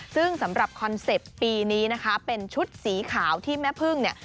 ซึ่งสำหรับคอนเซ็ปต์ปีนี้นะคะเป็นชุดสีขาวที่แม่พึ่งเนี่ย